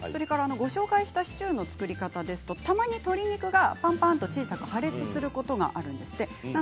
ご紹介したシチューの作り方ですが、たまに鶏肉がぱんぱんと小さく破裂することがあるんです。